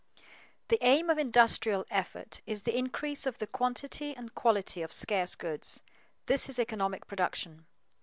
_The aim of industrial effort is the increase of the quantity and quality of scarce goods; this is economic production.